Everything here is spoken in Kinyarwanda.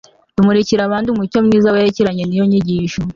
tumurikira abandi umucyo mwiza werekeranye n'iyo nyigisho